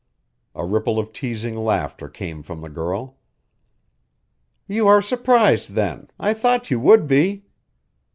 A ripple of teasing laughter came from the girl. "You are surprised then; I thought you would be."